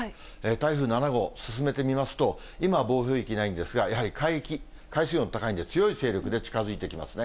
台風７号、進めてみますと、今、暴風域ないんですが、やはり海域、海水温高いんで、強い勢力で近づいてきますね。